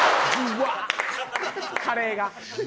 カレーが。